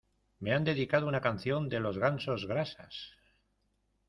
¡Me han dedicado una canción de los Gansos Grasas!